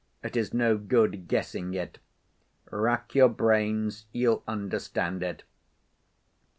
It is no good guessing it. Rack your brains—you'll understand it.